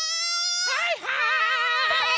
はいはい！